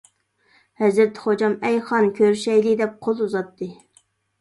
ھەزرىتى خوجام، ئەي خان، كۆرۈشەيلى، دەپ قول ئۇزاتتى.